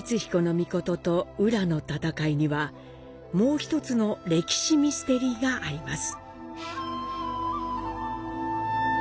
命と温羅の戦いには、もう１つの歴史ミステリーがあります。